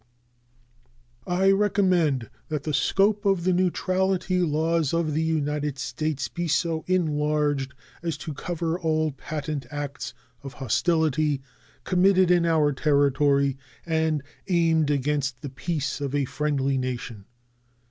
I recommend that the scope of the neutrality laws of the United States be so enlarged as to cover all patent acts of hostility committed in our territory and aimed against the peace of a friendly nation.